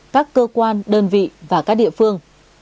các cơ quan đơn vị và các địa phương